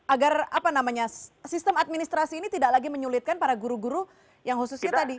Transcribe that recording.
agar sistem administrasi ini tidak lagi menyulitkan para guru guru yang khususnya tadi